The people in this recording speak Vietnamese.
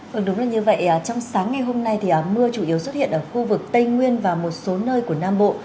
vâng đúng là như vậy trong sáng ngày hôm nay thì mưa chủ yếu xuất hiện ở khu vực tây nguyên và một số nơi của nam bộ